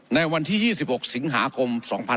ในวันที่๒๖สิงหาคม๒๕๖๒